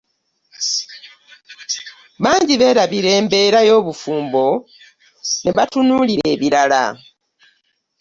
Bangi beerabira embeera y'obufumbone batunuulira ebirala